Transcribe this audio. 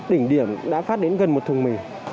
đỉnh điểm đã phát đến gần một thùng mì